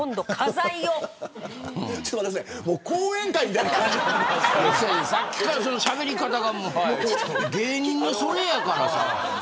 さっきから、しゃべり方が芸人のそれやから。